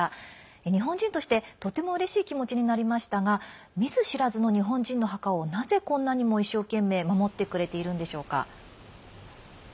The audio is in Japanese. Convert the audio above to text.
日本人として、とてもうれしい気持ちになりましたが見ず知らずの日本人の墓をなぜこんなにも一生懸命守ってくれているんでしょうか。